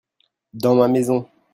dans ma maison.